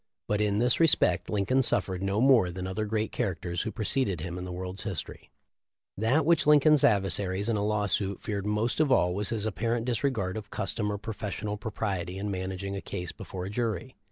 But in this respect Lincoln suffered no more than other great characters who preceded him in the world's history. That which Lincoln's adversaries in a lawsuit feared most of all was his apparent disregard of custom or professional propriety in managing a case before a jury.